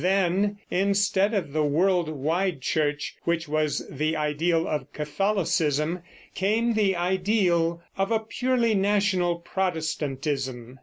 Then, instead of the world wide church which was the ideal of Catholicism, came the ideal of a purely national Protestantism.